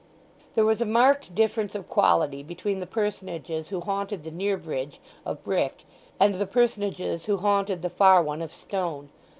There was a marked difference of quality between the personages who haunted the near bridge of brick and the personages who haunted the far one of stone.